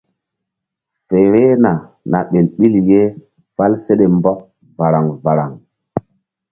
Fe vbehna na ɓel ɓil ye fál seɗe mbɔk varaŋ varaŋ.